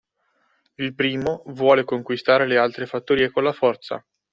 Il primo vuole conquistare le altre fattorie con la forza